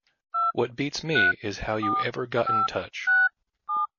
What beats me is how you ever got in touch.